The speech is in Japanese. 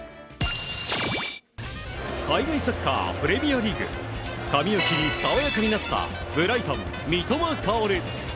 海外サッカー、プレミアリーグ。髪を切り爽やかになったブライトン、三笘薫。